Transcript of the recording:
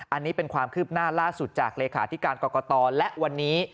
อันนี้เป็นความคืบหน้าล่าสุดจากเลขาธิการกรกตและวันนี้